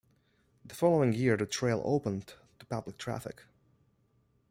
The following year, the trail opened to public traffic.